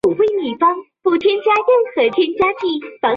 素攀地是某些泰国学者宣称曾经建立在其中部的古国。